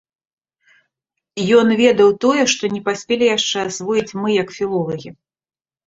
Ён ведаў тое, што не паспелі яшчэ асвоіць мы як філолагі.